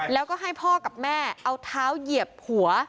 แล้วก็ให้พ่อกับแม่เอาเท้าเหยียบหัว